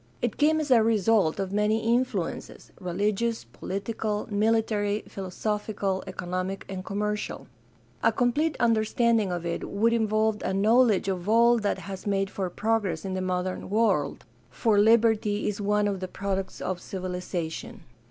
It came as a result of many influences — religious, political, military, philosophical, economic, and commercial. A com plete understanding of it would involve a knowledge of all that has made for progress in the modern world, for liberty is one of the products of civilization.